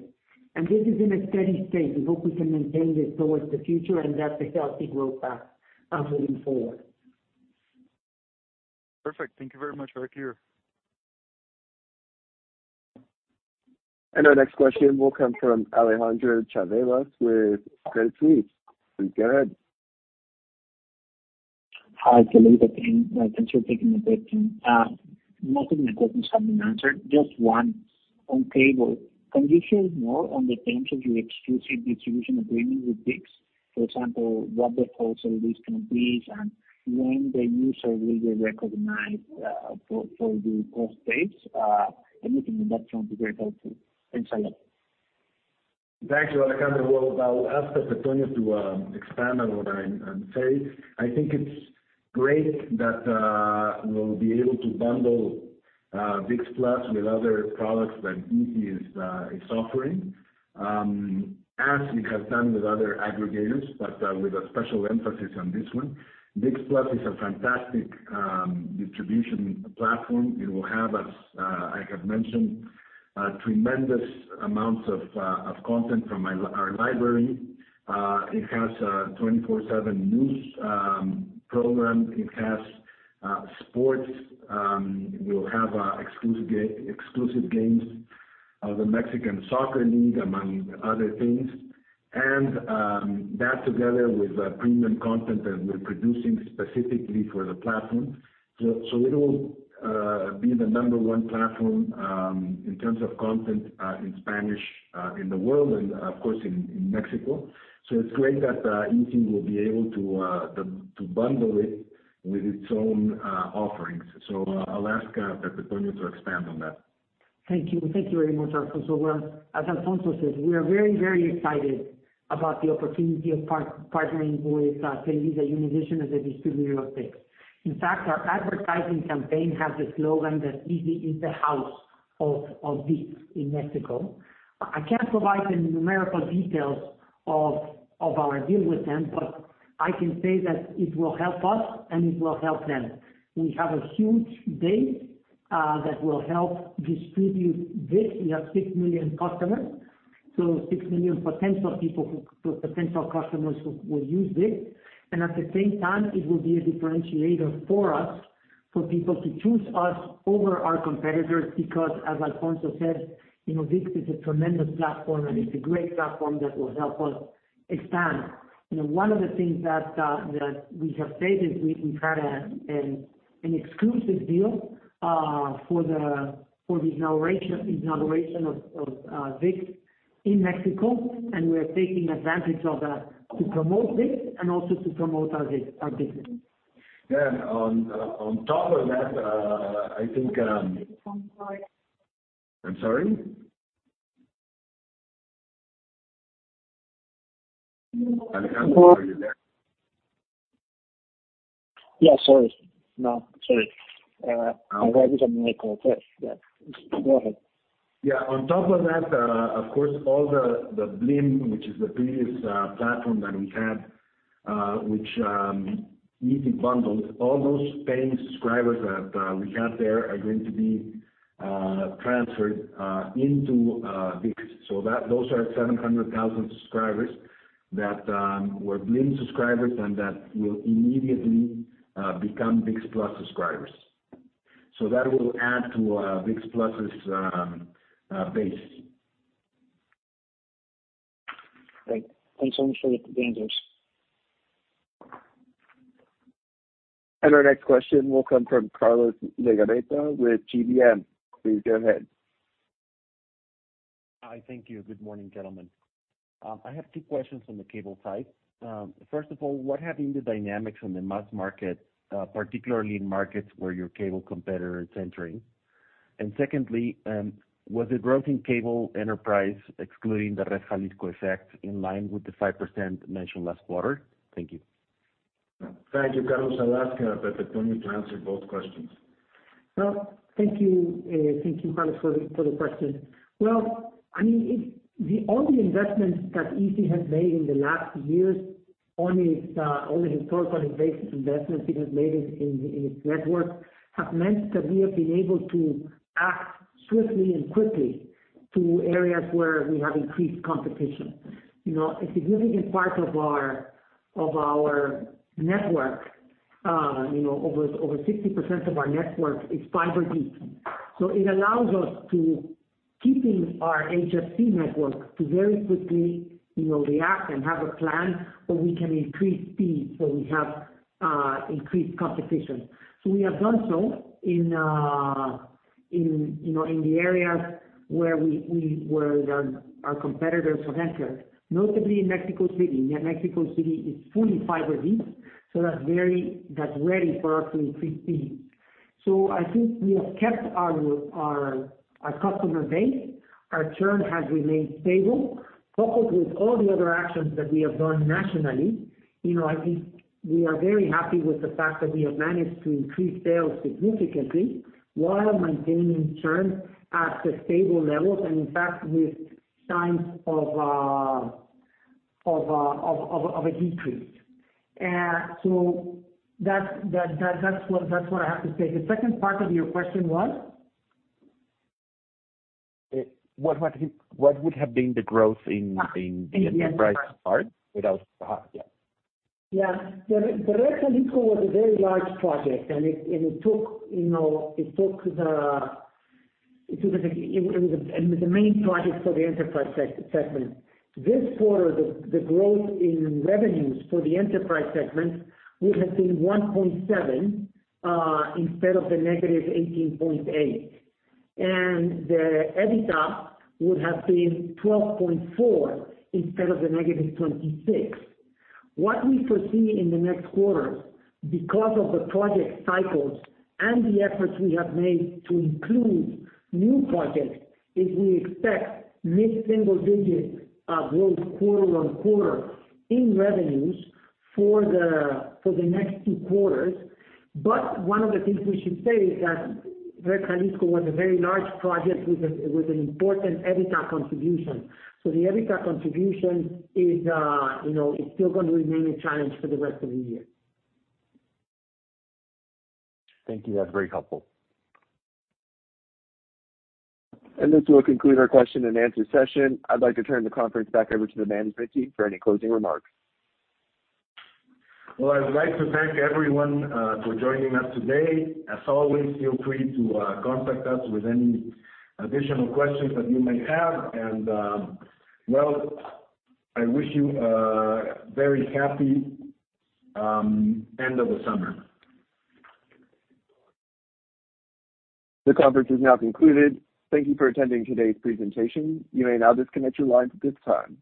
This is in a steady state. We hope we can maintain this towards the future and that's a healthy growth path moving forward. Perfect. Thank you very much. Back to you. Our next question will come from Alejandro Chavela with Credit Suisse. Please go ahead. Hi, Alfonso de Angoitia. Thanks for taking the question. Most of my questions have been answered, just one. On cable, can you share more on the terms of your exclusive distribution agreement with ViX? For example, what the wholesale discount is and when the revenue will be recognized for the cost base? Anything on that front would be very helpful. Thanks a lot. Thanks, Alejandro. Well, I'll ask Pepe Toño to expand on what I'm saying. I think it's great that we'll be able to bundle ViX+ with other products that Izzi is offering, as we have done with other aggregators, but with a special emphasis on this one. ViX+ is a fantastic distribution platform. It will have, as I have mentioned, tremendous amounts of content from our library. It has a 24/7 news program. It has sports. It will have exclusive games of the Mexican Soccer League, among other things. That together with premium content that we're producing specifically for the platform. It will be the number one platform in terms of content in Spanish in the world and of course in Mexico. It's great that Izzi will be able to to bundle it with its own offerings. I'll ask Pepe Toño to expand on that. Thank you. Thank you very much, Alfonso. Well, as Alfonso says, we are very excited about the opportunity of partnering with TelevisaUnivision as a distributor of ViX. In fact, our advertising campaign has the slogan that Izzi is the house of ViX in Mexico. I can't provide the numerical details of our deal with them, but I can say that it will help us and it will help them. We have a huge base that will help distribute ViX. We have 6 million customers, so 6 million potential customers who will use ViX. At the same time, it will be a differentiator for us, for people to choose us over our competitors, because as Alfonso said, you know, ViX is a tremendous platform and it's a great platform that will help us expand. You know, one of the things that we have said is we've had an exclusive deal for the inauguration of ViX in Mexico, and we are taking advantage of that to promote ViX and also to promote our ViX, our business. Yeah. On top of that, I think, I'm sorry? Alejandro, are you there? Yeah. Sorry. No, sorry. I was on mute. Yeah. Go ahead. Yeah. On top of that, of course, all the Blim, which is the previous platform that we had, which Izzi bundles, all those paying subscribers that we have there are going to be transferred into ViX. Those are 700,000 subscribers that were Blim subscribers and that will immediately become ViX+ subscribers. That will add to ViX+'s base. Great. Thanks so much for the answers. Our next question will come from Carlos Legarreta with GBM. Please go ahead. Hi. Thank you. Good morning, gentlemen. I have two questions on the cable side. First of all, what have been the dynamics on the mass market, particularly in markets where your cable competitor is entering? Secondly, was the growth in cable enterprise excluding the Red Jalisco effect in line with the 5% mentioned last quarter? Thank you. Thank you, Carlos. I'll ask Pepe Toño to answer both questions. Well, thank you, Carlos, for the question. Well, I mean, it's the only historical investment Izzi has made in its network that has meant that we have been able to act swiftly and quickly to areas where we have increased competition. You know, a significant part of our network, you know, over 60% of our network is fiber deep. It allows us, keeping our HFC network, to very quickly, you know, react and have a plan where we can increase speed when we have increased competition. We have done so in, you know, in the areas where our competitors have entered, notably in Mexico City. Mexico City is fully fiber deep, so that's ready for us to increase speed. I think we have kept our customer base. Our churn has remained stable. Coupled with all the other actions that we have done nationally, you know, I think we are very happy with the fact that we have managed to increase sales significantly while maintaining churn at the stable levels and in fact with signs of a decrease. That's what I have to say. The second part of your question was? What would have been the growth in the enterprise part without the hub? Yeah. Yeah. The Red Jalisco was a very large project. It was the main project for the enterprise segment. This quarter, the growth in revenues for the enterprise segment would have been 1.7% instead of the -18.8%. The EBITDA would have been 12.4% instead of the -26%. What we foresee in the next quarters because of the project cycles and the efforts we have made to include new projects is we expect mid-single digit growth quarter-on-quarter in revenues for the next two quarters. One of the things we should say is that Red Jalisco was a very large project with an important EBITDA contribution. The EBITDA contribution is, you know, still gonna remain a challenge for the rest of the year. Thank you. That's very helpful. This will conclude our question and answer session. I'd like to turn the conference back over to the management team for any closing remarks. Well, I would like to thank everyone for joining us today. As always, feel free to contact us with any additional questions that you may have. Well, I wish you a very happy end of the summer. The conference is now concluded. Thank you for attending today's presentation. You may now disconnect your lines at this time.